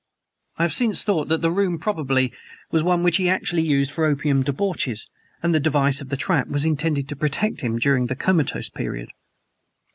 I have since thought that the room probably was one which he actually used for opium debauches, and the device of the trap was intended to protect him during the comatose period.